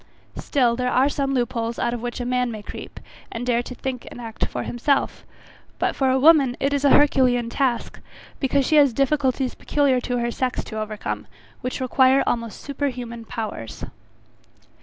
Still there are some loop holes out of which a man may creep, and dare to think and act for himself; but for a woman it is an herculean task, because she has difficulties peculiar to her sex to overcome, which require almost super human powers.